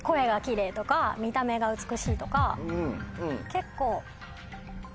結構。